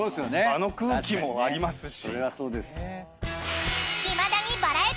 場の空気もありますし。